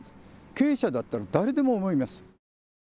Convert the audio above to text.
経営者だったら誰でも思います。